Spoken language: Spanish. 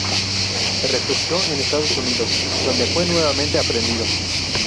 Se refugió en Estados Unidos, donde fue nuevamente aprehendido.